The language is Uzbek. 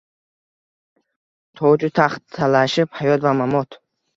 Toju taxt talashib hayot va mamot.